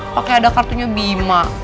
pakai ada kartunya bima